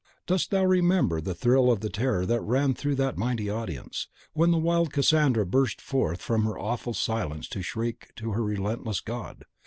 Dost thou remember the thrill of terror that ran through that mighty audience, when the wild Cassandra burst from her awful silence to shriek to her relentless god!